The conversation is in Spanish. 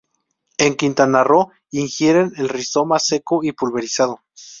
En Quintana Roo, ingieren el rizoma seco y pulverizado.